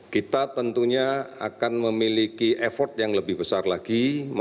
kita tentunya akan memiliki effort yang lebih besar lagi